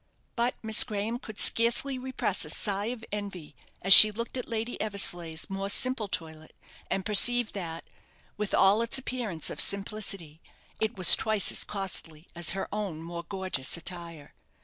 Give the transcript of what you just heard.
But Miss Graham could scarcely repress a sigh of envy as she looked at Lady Eversleigh's more simple toilet, and perceived that, with all its appearance of simplicity, it was twice as costly as her own more gorgeous attire.